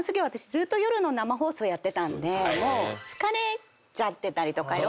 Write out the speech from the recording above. ずーっと夜の生放送やってたんでもう疲れちゃってたりとかいろんな。